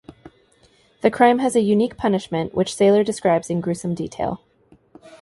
The crime has a unique punishment, which Saylor describes in gruesome detail.